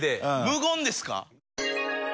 無言ですか？